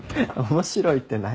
面白いって何？